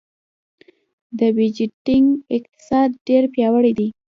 د بېجینګ اقتصاد ډېر پیاوړی دی.